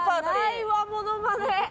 ないわものまね。